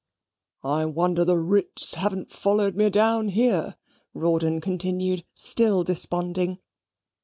"I wonder the writs haven't followed me down here," Rawdon continued, still desponding.